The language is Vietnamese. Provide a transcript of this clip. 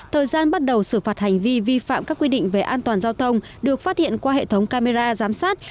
thời gian bắt đầu xử phạt hành vi vi phạm các quy định về an toàn giao thông được phát hiện qua hệ thống camera giám sát